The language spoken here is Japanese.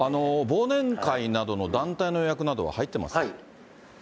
忘年会などの団体の予約などは入ってますか？